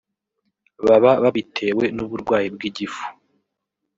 baba babitewe n’uburwayi bw’igifu